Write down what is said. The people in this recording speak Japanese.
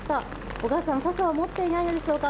お母さん傘を持っていないのでしょうか。